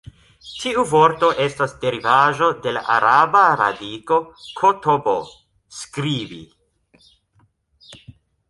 Tiu vorto estas derivaĵo de la araba radiko "k-t-b" 'skribi'.